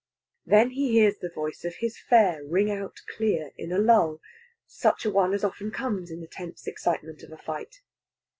Then he hears the voice of his fare ring out clear in a lull such a one as often comes in the tense excitement of a fight.